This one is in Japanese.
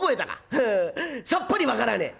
「ふふさっぱり分からねえ」。